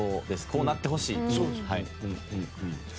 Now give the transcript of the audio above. こうなってほしい。